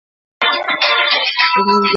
翅果藤为萝藦科翅果藤属下的一个种。